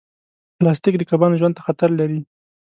پلاستيک د کبانو ژوند ته خطر لري.